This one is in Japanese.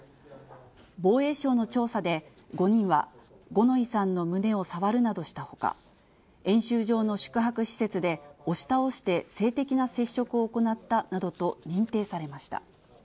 防衛省の調査で、５人は、五ノ井さんの胸を触るなどしたほか、演習場の宿泊施設で、押し倒して、性的な接触を行ったなどと認定されました。